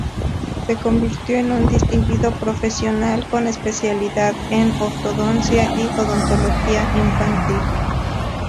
Se convirtió en un distinguido profesional, con especialidad en ortodoncia y odontología Infantil.